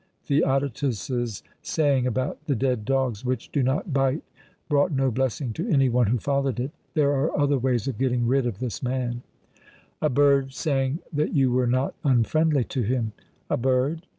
Theodotus's saying about the dead dogs which do not bite brought no blessing to any one who followed it. There are other ways of getting rid of this man." "A bird sang that you were not unfriendly to him." "A bird?